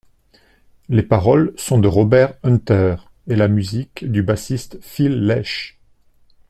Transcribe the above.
Les paroles sont de Robert Hunter et la musique du bassiste Phil Lesh.